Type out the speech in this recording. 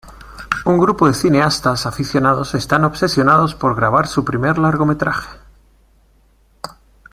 Un grupo de cineastas aficionados están obsesionados por grabar su primer largometraje.